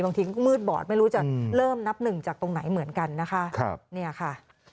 มืดบอดไม่รู้จะเริ่มนับหนึ่งจากตรงไหนเหมือนกันนะคะครับเนี่ยค่ะ